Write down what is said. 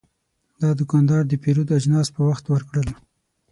دا دوکاندار د پیرود اجناس په وخت ورکړل.